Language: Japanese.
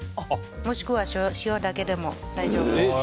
もしくは塩だけでも大丈夫です。